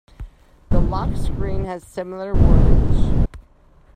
The lock screen has similar wordage.